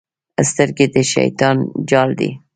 سترګې د شیطان جال دی.